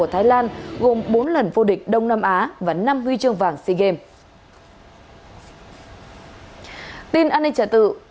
tin an ninh trả tự